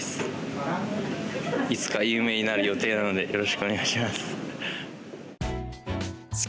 いつか有名になる予定なのでよろしくお願いします。